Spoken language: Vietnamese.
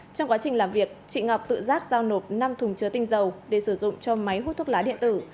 trong quá trình làm việc chị ngọc tự giác giao nộp năm thùng chứa tinh dầu để sử dụng cho máy hút thuốc lá điện tử